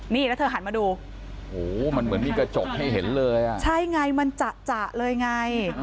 นี่แล้วเธอหันมาดูโหมันเหมือนมีกระจกให้เห็นเลยอ่ะใช่ไงมันจะจะเลยไง